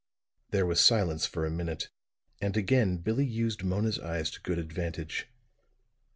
There was silence for a minute, and again Billie used Mona's eyes to good advantage.